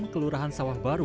kelurahan sawah baru